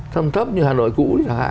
thâm thấp như hà nội cũ